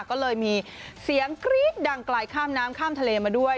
ก็เลยมีเสียงกรี๊ดดังไกลข้ามน้ำข้ามทะเลมาด้วย